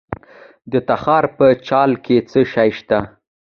د تخار په چال کې څه شی شته؟